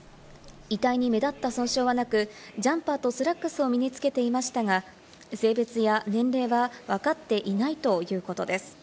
遺体に目立った損傷はなく、ジャンパーとスラックスを身につけていましたが、性別や年齢はわかっていないということです。